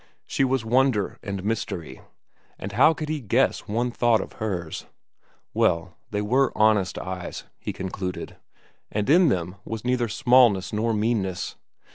She was wonder and mystery, and how could he guess one thought of hers? Well, they were honest eyes, he concluded, and in them was neither smallness nor meanness.